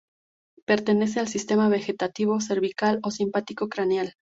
Pertenece al sistema vegetativo cervical ó simpático craneal.